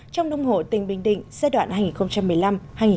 trong nông hộ tỉnh bình định giai đoạn hai nghìn một mươi năm hai nghìn hai mươi